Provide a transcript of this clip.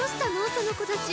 その子たち。